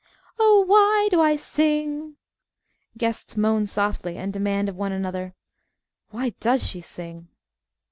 Oh, why do I sing?" (Guests moan softly and demand of one another, Why does she sing?)